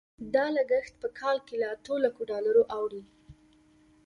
دا لګښت په کال کې له اتو لکو ډالرو اوړي.